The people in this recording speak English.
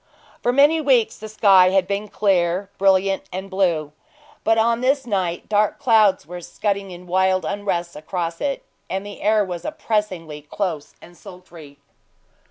For many weeks the sky had been clear, brilliant, and blue; but on this night dark clouds were scudding in wild unrest across it, and the air was oppressingly close and sultry.